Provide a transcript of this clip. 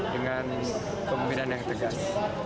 dengan pembinaan yang tegas